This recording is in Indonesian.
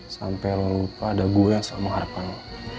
sampai lu lupa ada gue yang selalu mengharapkan lo